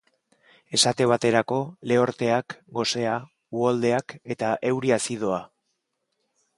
Esate baterako, lehorteak, gosea, uholdeak eta euri azidoa.